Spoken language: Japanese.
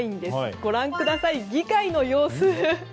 ご覧ください、議会の様子。